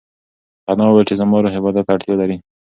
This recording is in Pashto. انا وویل چې زما روح عبادت ته اړتیا لري.